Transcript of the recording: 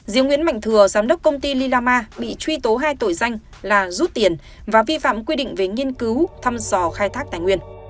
diễu nguyễn mạnh thừa giám đốc công ty lilama bị truy tố hai tội danh là rút tiền và vi phạm quy định về nghiên cứu thăm dò khai thác tài nguyên